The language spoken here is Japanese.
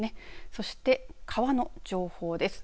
そして川の情報です。